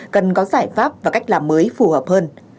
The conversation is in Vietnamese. cần có giải pháp và cách làm mới phù hợp hơn